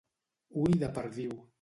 Ull de perdiu.